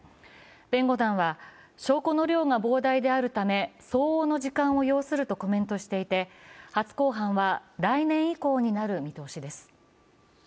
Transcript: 弁護団は、証拠の量が膨大であるため、相応の時間を要するとコメントしていて初公判は来年以降になる見通しです。